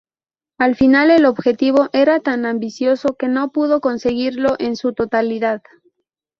Al final el objetivo era tan ambicioso que no pudo conseguirlo en su totalidad.